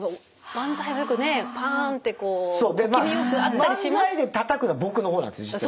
漫才でたたくのは僕の方なんですよ実は。